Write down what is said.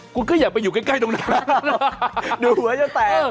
คุณก็อย่าไปอยู่ใกล้ตรงนั้นดูหัวจะแตก